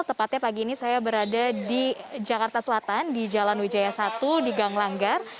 tepatnya pagi ini saya berada di jakarta selatan di jalan wijaya satu di ganglanggar